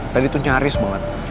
tadi tuh nyaris banget